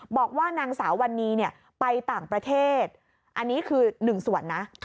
บอกว่านางสาววันนี้ไปต่างประเทศอันนี้คือหนึ่งส่วนนะ